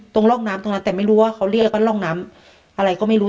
ร่องน้ำตรงนั้นแต่ไม่รู้ว่าเขาเรียกว่าร่องน้ำอะไรก็ไม่รู้